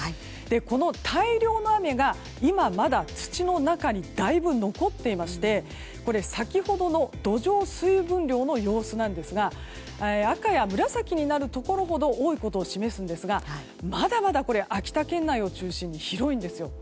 この大量の雨が今まだ土の中にだいぶ残っていまして土壌水分量の様子なんですが赤や紫になるところほど多いことを示すんですがまだまだ秋田県内を中心に広いんですよ。